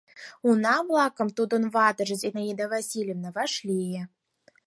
Уна-влакым тудын ватыже, Зинаида Васильевна, вашлие.